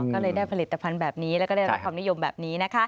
ก็เลยได้ผลิตภัณฑ์แบบนี้แล้วก็ได้รับความนิยมแบบนี้